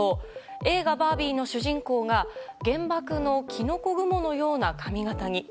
映画「バービー」の主人公が原爆のキノコ雲のような髪形に。